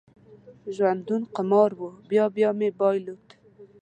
ژوندون قمار و، بیا بیا مې بایلود